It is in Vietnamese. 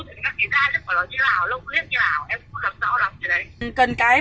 thì các cái da nó như lào lông liếc như lào em cũng lập rõ lập cái đấy